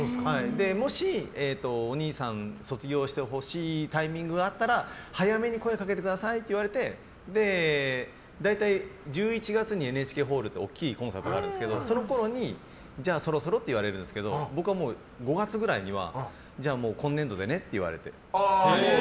もし、おにいさん卒業してほしいタイミングがあったら早めに声掛けてくださいって言われて大体、１１月にＮＨＫホールで大きいコンサートがあるんですけどそのころに、じゃあそろそろって言われるんですけど僕は５月くらいにはじゃあ、今年度でねって言われて。